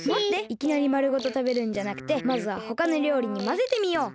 いきなりまるごとたべるんじゃなくてまずはほかのりょうりにまぜてみよう。